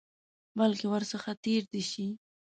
بلکې ورڅخه تېر دي شي.